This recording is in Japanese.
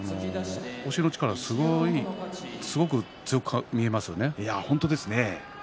押しの力がすごく強く見えますね。